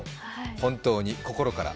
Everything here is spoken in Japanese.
本当に、心から。